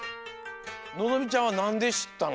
のぞみちゃんはなんでしったの？